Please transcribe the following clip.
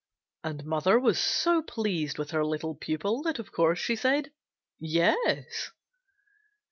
And mother was so pleased with her little pupil that of course she said "Yes."